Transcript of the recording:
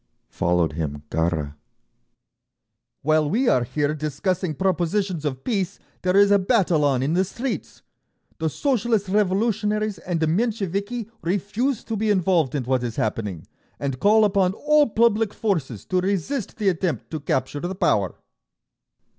Followed him Gharra: "While we are here discussing propositions of peace, there is a battle on in the streets…. The Socialist Revolutionaries and the Mensheviki refuse to be involved in what is happening, and call upon all public forces to resist the attempt to capture the power…."